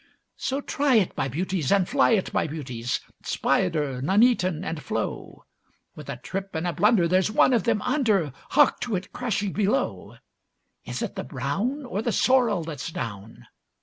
So try it, my beauties, and fly it, my beauties, Spider, Nuneaton, and Flo; With a trip and a blunder there's one of them under, Hark to it crashing below! Is it the brown or the sorrel that's down?